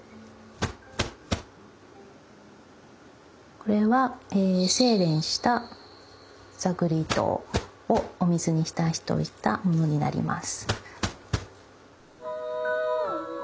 これは精練した座繰り糸をお水に浸しておいたものになります。